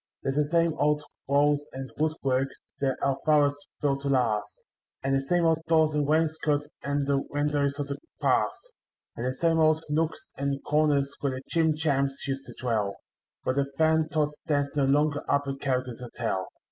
There's the same old walls and woodwork that our fathers built to last, And the same old doors and wainscot and the windows of the past; And the same old nooks and corners where the Jim Jams used to dwell; But the Fantods dance no longer up at Callaghan's Hotel.